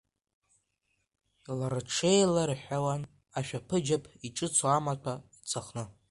Рҽеиларҳәауан ашәаԥыџьаԥ, иҿыцу амаҭәа ӡахны.